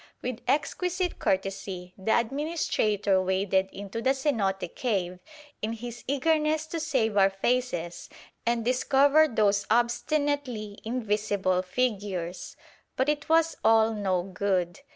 With exquisite courtesy, the administrator waded into the cenote cave in his eagerness to "save our faces" and discover those obstinately invisible figures. But it was all no good.